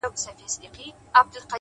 زه نه كړم گيله اشــــــــــــنا-